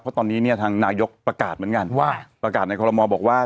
เพราะตอนนี้เนี่ยทางนายกประกาศเหมือนกันว่าประกาศในคอลโมบอกว่า